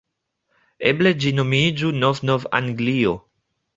Eble ĝi nomiĝu Nov-Nov-Anglio.